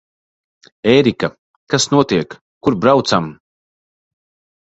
Ērika, kas notiek? Kur braucam?